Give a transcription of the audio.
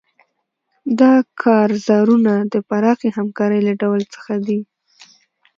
دا کارزارونه د پراخې نه همکارۍ له ډول څخه دي.